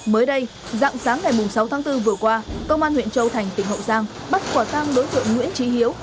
mới đây dạng sáng ngày sáu tháng bốn vừa qua công an huyện châu thành tỉnh hậu giang bắt quả tăng đối tượng nguyễn trí hiếu